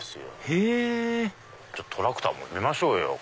へぇトラクターも見ましょうよ。